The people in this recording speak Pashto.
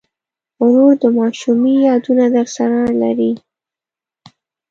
ورور د ماشومۍ یادونه درسره لري.